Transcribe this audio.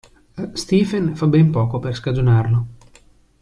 Stephen fa ben poco per scagionarlo.